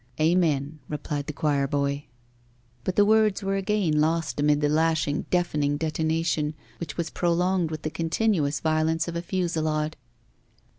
'Amen,' replied the choirboy. But the words were again lost amid the lashing, deafening detonation, which was prolonged with the continuous violence of a fusillade.